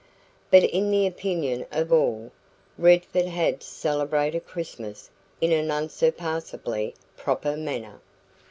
But in the opinion of all, Redford had celebrated Christmas in an unsurpassably proper manner.